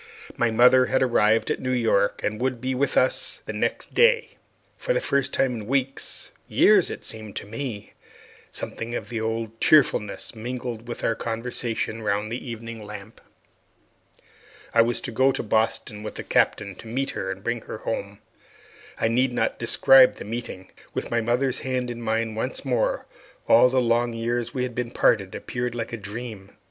My mother had arrived at New York, and would be with us the next day. For the first time in weeks years, it seemed to me something of the old cheerfulness mingled with our conversation round the evening lamp. I was to go to Boston with the Captain to meet her and bring her home. I need not describe that meeting. With my mother's hand in mine once more, all the long years we had been parted appeared like a dream.